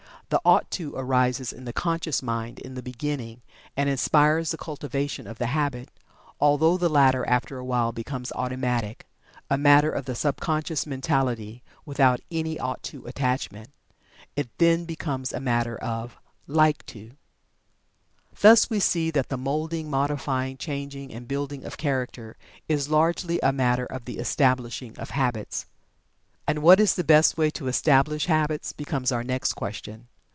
The "ought to" arises in the conscious mind in the beginning, and inspires the cultivation of the habit, although the latter after a while becomes automatic, a matter of the sub conscious mentality, without any "ought to" attachment. It then becomes a matter of "like to." Thus we see that the moulding, modifying, changing, and building of Character is largely a matter of the establishing of Habits. And what is the best way to establish Habits? becomes our next question.